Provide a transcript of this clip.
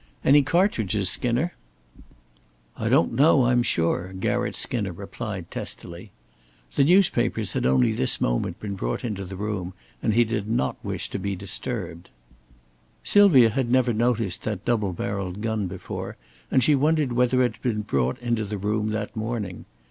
"Any cartridges, Skinner?" "I don't know, I am sure," Garratt Skinner replied, testily. The newspapers had only this moment been brought into the room, and he did not wish to be disturbed. Sylvia had never noticed that double barreled gun before; and she wondered whether it had been brought into the room that morning.